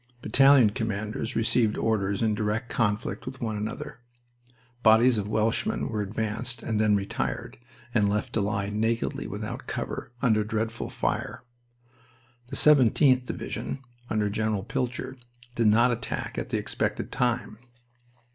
Battalion commanders received orders in direct conflict with one another. Bodies of Welshmen were advanced, and then retired, and left to lie nakedly without cover, under dreadful fire. The 17th Division, under General Pilcher, did not attack at the expected time.